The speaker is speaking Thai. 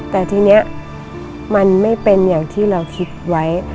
แต่ทีนี้มันไม่เป็นอย่างที่เราคิดไว้